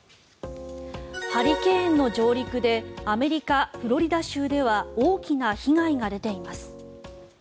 ハリケーンの上陸でアメリカ・フロリダ州では大きな被害が出ています。